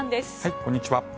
こんにちは。